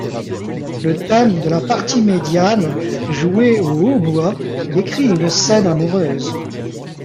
Le thème de la partie médiane, joué au hautbois, décrit une scène amoureuse.